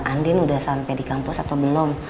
andin sudah sampai di kampus atau belum